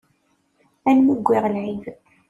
Armi wwiɣ lεib.